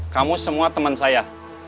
kamu semua teman saya